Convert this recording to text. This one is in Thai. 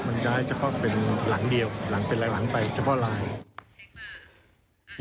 มันย้ายเฉพาะเป็นหลังเดียวหลังไปเฉพาะลาย